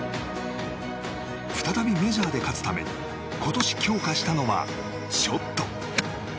再びメジャーで勝つために今年強化したのはショット。